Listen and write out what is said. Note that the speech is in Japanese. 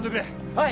はい！